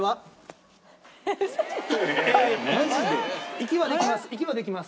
息はできます。